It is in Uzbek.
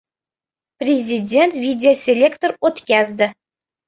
Prezident videoselektor o‘tkazdi